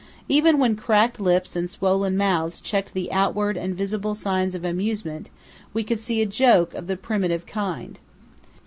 Even when cracked lips and swollen mouths checked the outward and visible signs of amusement we could see a joke of the primitive kind.